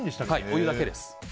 お湯だけです。